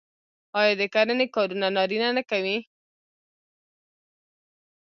آیا د کرنې کارونه نارینه نه کوي؟